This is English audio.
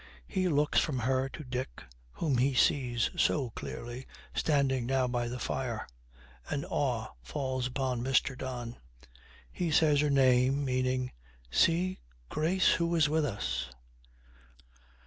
He looks from her to Dick, whom he sees so clearly, standing now by the fire. An awe falls upon Mr. Don. He says her name, meaning, 'See, Grace, who is with us.'